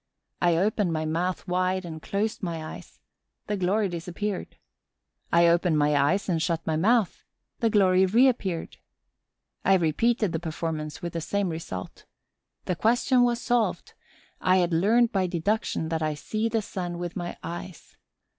I opened my mouth wide and closed my eyes: the glory disappeared. I opened my eyes and shut my mouth: the glory reappeared. I repeated the performance, with the same result. The question was solved: I had learned by deduction that I see the sun with my eyes.